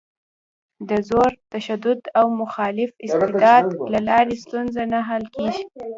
د زور، تشدد او مخالف استبداد له لارې ستونزه نه حل کېږي.